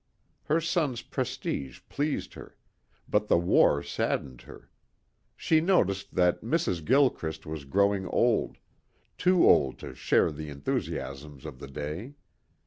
Her son's prestige pleased her. But the war saddened her. She noticed that Mrs. Gilchrist was growing old too old to share the enthusiasms of the day.